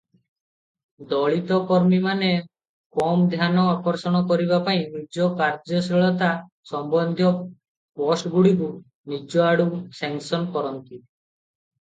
ଦଳିତ କର୍ମୀମାନେ କମ ଧ୍ୟାନ ଆକର୍ଷଣ କରିବା ପାଇଁ ନିଜ କାର୍ଯ୍ୟଶୀଳତା ସମ୍ବନ୍ଧୀୟ ପୋଷ୍ଟଗୁଡ଼ିକୁ ନିଜ ଆଡ଼ୁ ସେନ୍ସର କରନ୍ତି ।